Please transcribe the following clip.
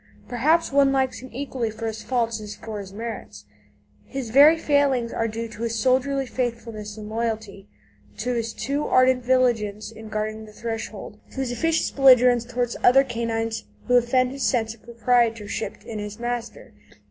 Perhaps one likes him equally for his faults as for his merits. His very failings are due to his soldierly faithfulness and loyalty, to his too ardent vigilance in guarding the threshold, to his officious belligerence towards other canines who offend his sense of proprietorship in his master.